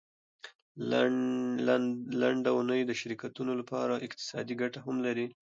لنډه اونۍ د شرکتونو لپاره اقتصادي ګټه هم لري.